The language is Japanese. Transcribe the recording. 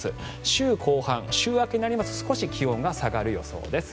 週後半、週明けになりますと少し気温が下がる予想です。